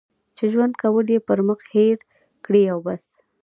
چې ژوند کول یې پر مخ هېر کړي او بس.